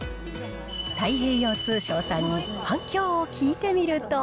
太平洋通商さんに反響を聞いてみると。